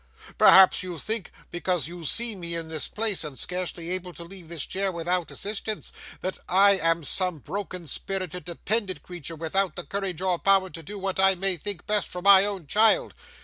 Perhaps you think, because you see me in this place and scarcely able to leave this chair without assistance, that I am some broken spirited dependent creature, without the courage or power to do what I may think best for my own child.